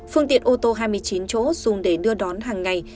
phương tiện ô tô hai mươi chín chỗ dùng để đưa đón hàng ngày